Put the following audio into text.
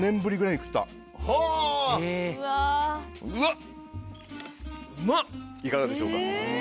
いかがでしょうか。